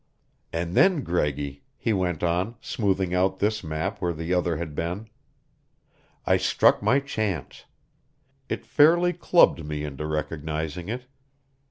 "And then, Greggy," he went on, smoothing out this map where the other had been, "I struck my chance. It fairly clubbed me into recognizing it.